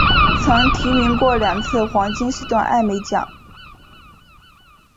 曾提名过两次黄金时段艾美奖。